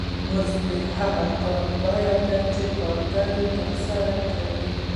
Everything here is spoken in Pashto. مزد د هغه کار بیه ده چې کارګر یې ترسره کوي